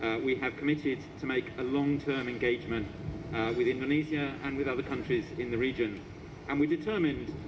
kami telah berkomitmen untuk membuat perjanjian panjang dengan indonesia dan dengan negara lain di kawasan ini